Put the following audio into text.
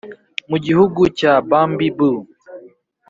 mu gihugu cya bumbley boo